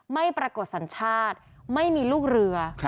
ไม่ปรากฏสัญชาติไม่มีลูกเรือ